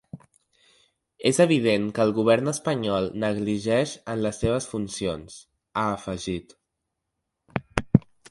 “És evident que el govern espanyol negligeix en les seves funcions”, ha afegit.